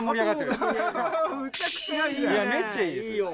いやめっちゃいいです。